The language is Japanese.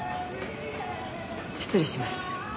失礼します。